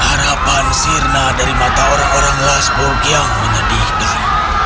harapan sirna dari mata orang orang lasburg yang menyedihkan